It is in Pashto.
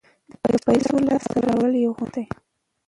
د پیسو لاسته راوړل یو هنر دی.